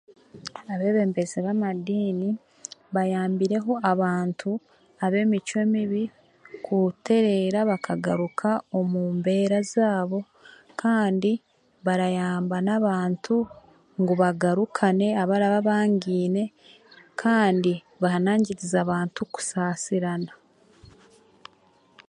Abeebembezi b'amadiini, bayambireho abantu ab'emicwe mibi, kutereera bakagaruka omu mbeera zaabo, kandi, barayamba n'abantu ngu bagarukane abaraba bangaine kandi behanangirize abantu kusaasirana.